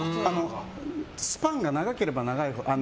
スパンが長ければ長いほど。